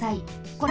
これ。